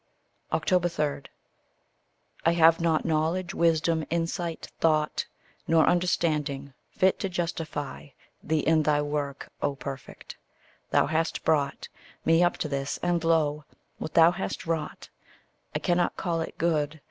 3. I have not knowledge, wisdom, insight, thought, Nor understanding, fit to justify Thee in thy work, O Perfect. Thou hast brought Me up to this and, lo! what thou hast wrought, I cannot call it good.